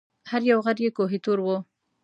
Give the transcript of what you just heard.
هر یو غر یې کوه طور و